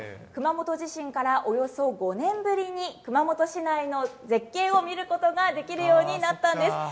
熊本地震からおよそ５年ぶりに熊本市内の絶景を見ることができるようになったんです。